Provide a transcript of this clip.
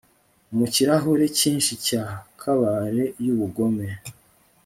Mu kirahure cyinshi cya kabare yubugome